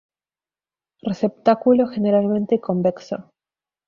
Receptáculo generalmente convexo.